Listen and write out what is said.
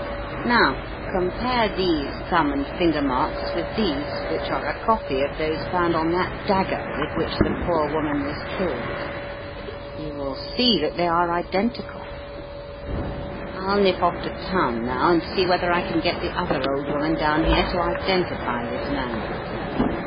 "Now compare these thumb and finger marks with these which are a copy of those found on that dagger with which the poor woman was killed. You will see that they are identical. I'll nip off to town now and see whether I can get the other old woman down here to identify this man.